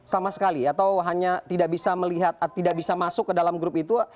sama sekali atau hanya tidak bisa masuk ke dalam grup itu